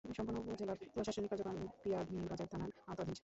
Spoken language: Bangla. সম্পূর্ণ উপজেলার প্রশাসনিক কার্যক্রম বিয়ানীবাজার থানার আওতাধীন।